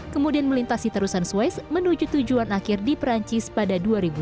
kemudian melintasi terusan swiss menuju tujuan akhir di perancis pada dua ribu dua puluh